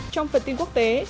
trong phần tin quốc tế